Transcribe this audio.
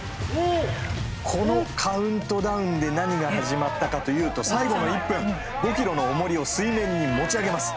このカウントダウンで何が始まったかというと最後の１分、５ｋｇのおもりを水面に持ち上げます。